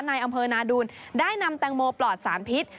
ในอำเภอนาดูลได้นำแตงโมปลอดสารพิษ